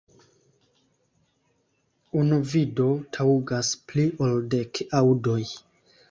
Unu vido taŭgas pli ol dek aŭdoj.